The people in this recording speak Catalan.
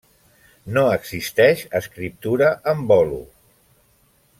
No existeix escriptura en bolo.